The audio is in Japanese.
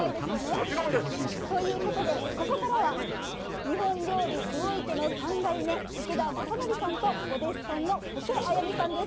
もちろんです。ということで、ここからは、日本料理魚池の３代目、池田将訓さんとお弟子さんの保家彩良さんです。